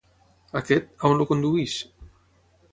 Aquest, on el condueix?